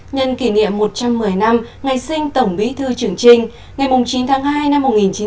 nhân kỷ niệm một trăm một mươi năm ngày sinh tổng bí thư trường trinh ngày chín tháng hai năm một nghìn chín trăm bảy mươi